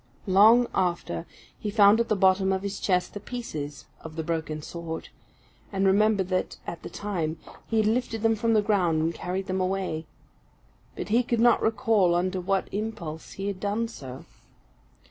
Long after, he found at the bottom of his chest the pieces of the broken sword, and remembered that, at the time, he had lifted them from the ground and carried them away. But he could not recall under what impulse he had done so.